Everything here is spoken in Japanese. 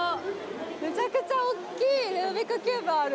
めちゃくちゃおっきいルービックキューブある！